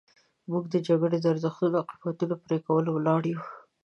موږ د جګړې د ارزښتونو او قیمتونو پر پرې کولو ولاړ یو.